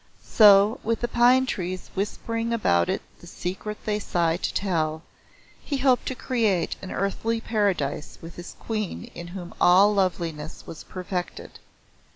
So, with the pine trees whispering about it the secret they sigh to tell, he hoped to create an earthly Paradise with this Queen in whom all loveliness was perfected.